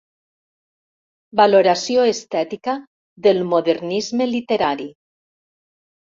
Valoració estètica del Modernisme literari.